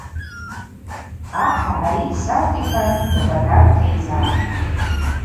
Ахӏ гӏари дсаутӏ – йхӏван топатар тайцӏатӏ.